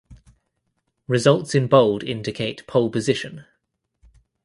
Results in bold indicate pole position.